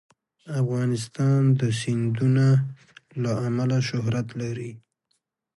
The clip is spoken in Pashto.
افغانستان د سیندونه له امله شهرت لري.